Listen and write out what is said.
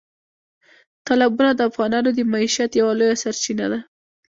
تالابونه د افغانانو د معیشت یوه لویه سرچینه ده.